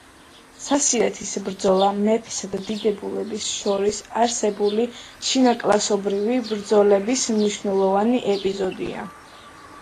სასირეთის ბრძოლა მეფესა და დიდებულებს შორის არსებული შინაკლასობრივი ბრძოლების მნიშვნელოვანი ეპიზოდია.